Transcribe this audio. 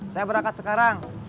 saya berangkat sekarang